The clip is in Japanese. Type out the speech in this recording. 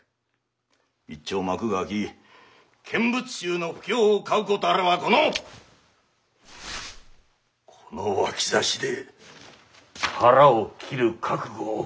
一朝幕が開き見物衆の不興を買うことあらばこのこの脇差しで腹を切る覚悟を固めてこの場に臨んでいる。